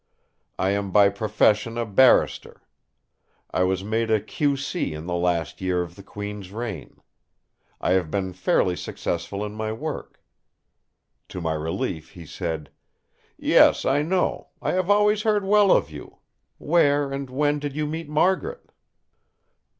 I am by profession a Barrister. I was made a Q. C. in the last year of the Queen's reign. I have been fairly successful in my work." To my relief he said: "Yes, I know. I have always heard well of you! Where and when did you meet Margaret?"